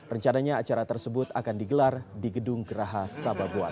rencananya acara tersebut akan digelar di gedung geraha sababuan